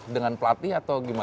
dengan pelatih atau gimana